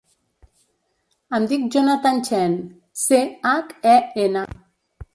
Em dic Jonathan Chen: ce, hac, e, ena.